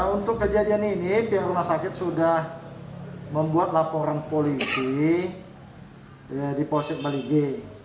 untuk kejadian ini pihak rumah sakit sudah membuat laporan polisi di posek balige